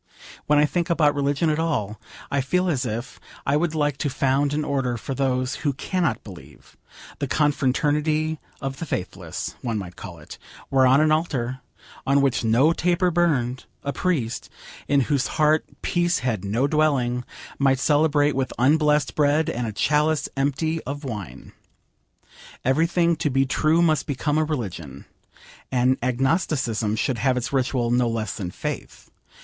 When I think about religion at all, I feel as if I would like to found an order for those who cannot believe: the Confraternity of the Faithless, one might call it, where on an altar, on which no taper burned, a priest, in whose heart peace had no dwelling, might celebrate with unblessed bread and a chalice empty of wine. Every thing to be true must become a religion. And agnosticism should have its ritual no less than faith.